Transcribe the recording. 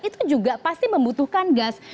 itu juga pasti membutuhkan gas